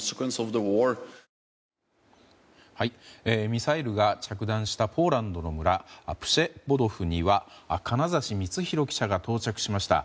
ミサイルが着弾したポーランドの村プシェボドフには金指光宏記者が到着しました。